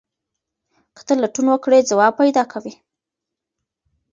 که ته لټون وکړې ځواب پیدا کوې.